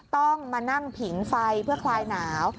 ต้องมานั่งผิงไฟเพื่อคลายหนาว